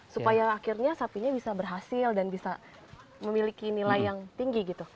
supaya akhirnya sapinya bisa berhasil dan bisa memiliki nilai yang tinggi gitu